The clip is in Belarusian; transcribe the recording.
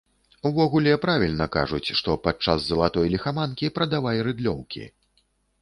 Увогуле, правільна кажуць, што падчас залатой ліхаманкі прадавай рыдлёўкі.